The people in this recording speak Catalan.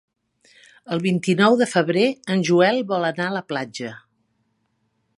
El vint-i-nou de febrer en Joel vol anar a la platja.